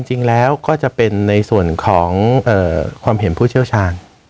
จริงแล้วก็จะเป็นในส่วนของความเห็นผู้เชี่ยวชาญ